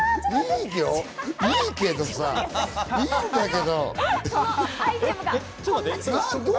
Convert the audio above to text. いいよ、いいけどさ、いいんだけど。